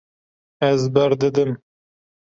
Ez berdidim.